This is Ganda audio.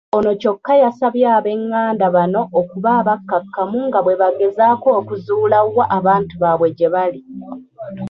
Ono kyokka yasabye abenganda bano okuba abakkakkamu nga bwe bagezaako okuzuula wa abantu baabwe gye bali.